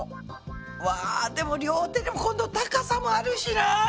わでも両手でもこの高さもあるしな。